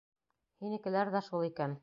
Һинекеләр ҙә шул икән!